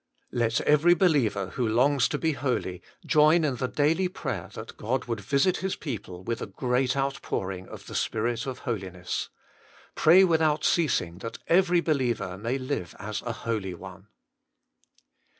2. Let every believer, who longs to be holy, join in the daily prayer that God would visit His people with a great outpouring of the Spirit of Holiness. Pray without ceasing that every believer may live as a holy one.